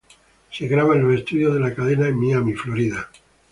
Se graba en los estudios de la cadena en Miami, Florida.